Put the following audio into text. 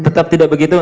tetap tidak begitu